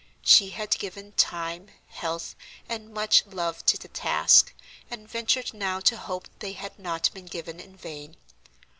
She had given time, health, and much love to the task, and ventured now to hope they had not been given in vain.